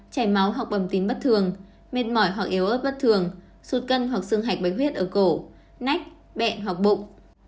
chảy máu hoặc bầm tím bất thường mệt mỏi hoặc yếu ớt bất thường sụt cân hoặc xương hạch bệnh huyết ở cổ nách bẹn hoặc bụng